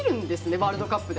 ワールドカップで。